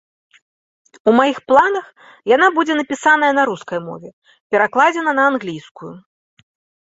У маіх планах, яна будзе напісаная на рускай мове, перакладзена на англійскую.